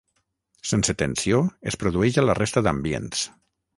Sense tensió es produeix a la resta d'ambients.